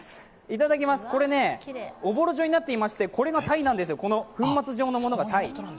いただきます、これ、おぼろ状になっていまして、これが鯛なんですよ、粉末状のものが鯛。